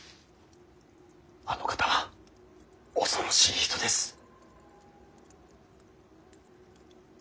あの方は恐ろしい人です。